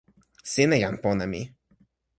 sina jan pona mi.